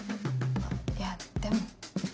いやでも。